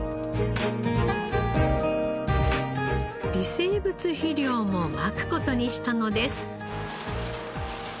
微生物肥料もまく事にしたのです。